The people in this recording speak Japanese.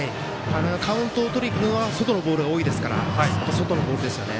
カウントをとりにいくのは外のボールが多いですから外のボールですよね。